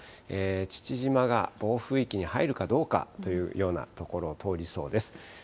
父島が暴風域に入るかどうかというような所を通りそうです。